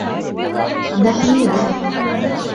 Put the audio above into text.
دَعَهُ يذهب.